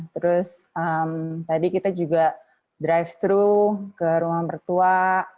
terus tadi kita juga drive thru ke rumah mertua